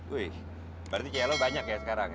wih berarti cewek lo banyak ya sekarang ya